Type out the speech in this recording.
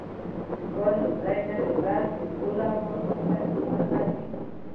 د کال لومړۍ نوې ورځ دې ټولو افغانانو ته نېکمرغه وي.